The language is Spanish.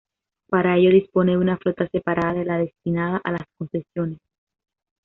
Para ello dispone de una flota separada de la destinada a las concesiones.